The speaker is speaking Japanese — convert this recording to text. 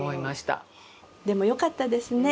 でもよかったですね。